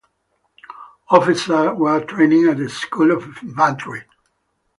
Officers were trained at the School of Infantry.